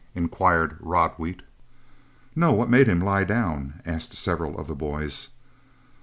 inquired Rod Wheat. "No; what made him lie down?" asked several of the boys.